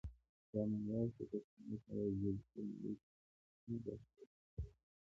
کامن وایس د پښتو لپاره د ډیجیټل نړۍ ته یوه مهمه برخه وړاندې کوي.